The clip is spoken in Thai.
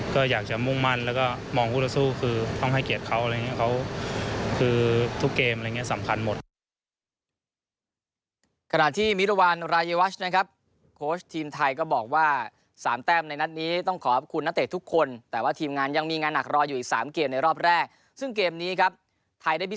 ก็อยากจะมุ่งมั่นแล้วก็มองผู้ได้สู้คือต้องให้เกียรติเขาอะไรอย่างเงี้ย